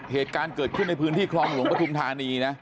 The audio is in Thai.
เหตุการณ์เกิดขึ้นในพื้นที่คลองหลวงปฐุมธานีนะ